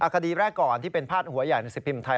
คดีแรกก่อนที่เป็นภาพหัวใหญ่ในสิทธิ์ภิมธ์ไทย